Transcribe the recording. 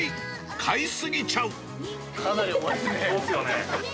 かなり重いですね。